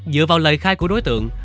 dựa vào lời khai của đối tượng